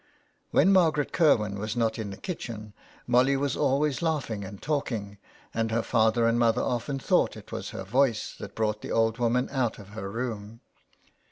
When Margaret Kirwin was not in the kitchen Molly was always laughing and talking, and her father and mother often thought it was her voice that brought the old woman out of her room.